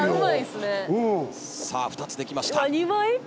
さあ２つできました。